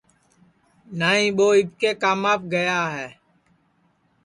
نائی ٻو ابھی کے کاماپ گیا ہے